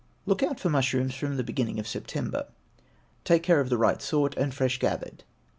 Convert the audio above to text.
Look out for mushrooms, from the beginning of September. Take care of the right sort and fresh gathered.